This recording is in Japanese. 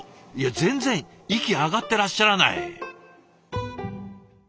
全然息上がってらっしゃらない。